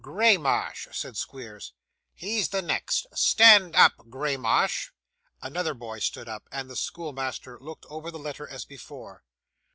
'Graymarsh,' said Squeers, 'he's the next. Stand up, Graymarsh.' Another boy stood up, and the schoolmaster looked over the letter as before.